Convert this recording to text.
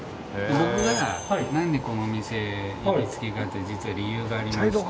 僕がなんでこの店行きつけかって実は理由がありまして。